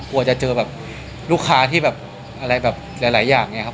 กลัวจะเจอแบบลูกค้าที่แบบอะไรแบบหลายอย่างเนี่ยครับ